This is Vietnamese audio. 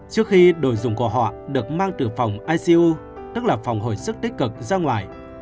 trước khi đồ dùng của họ được mang từ phòng icu tức là phòng hồi sức tích cực ra ngoài